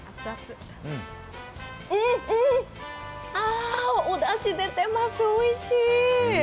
うん、おだし出てます、おいしい。